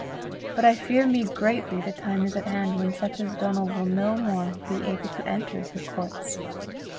But I fear me greatly the time is at hand when such as Donal will no more be able to enter her courts.